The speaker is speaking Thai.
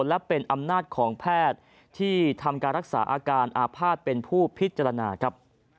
และเป็นอำนาจของแพทย์ที่ทำการรักษาอาการอาภาษณ์เป็นผู้พิจารณาครับ